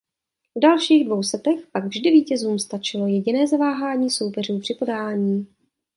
V dalších dvou setech pak vždy vítězům stačilo jediné zaváhání soupeřů při podání.